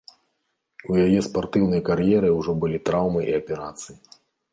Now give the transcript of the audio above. У яе спартыўнай кар'еры ўжо былі траўмы і аперацыі.